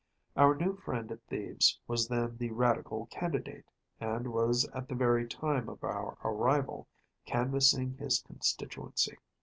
Our new friend at Thebes was then the Radical candidate, and was at the very time of our arrival canvassing his constituency.